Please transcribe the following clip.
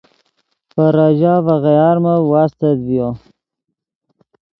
پے ریژہ ڤے غیارمف واستت ڤیو